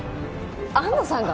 安藤さんが！？